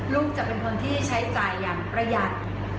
ลูกจะเป็นคนที่ใช้จ่ายอย่างประหยัด